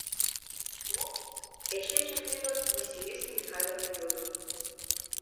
— Мо? — эше чот лӱдын, Василиса Михайловна йодо.